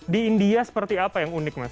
di india seperti apa yang unik mas